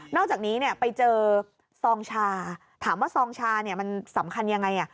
อกจากนี้ไปเจอซองชาถามว่าซองชาเนี่ยมันสำคัญยังไง